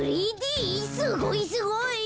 すごいすごい。